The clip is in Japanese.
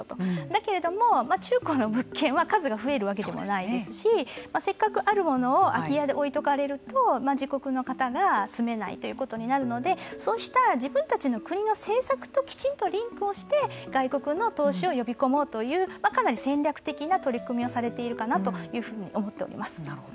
だけれども、中古の物件は数が増えるわけでもないですしせっかくあるものを空き家で置いておかれると自国の方が住めないということになるのでそうした自分たちの国の政策ときちんとリンクをして外国の投資を呼び込もうというかなり戦略的な取り組みをされているかなと思っております。